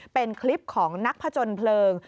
เป็นคลิปของนักผจญเพลิง